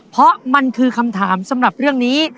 เพราะมันคือคำถามสำหรับเรื่องนี้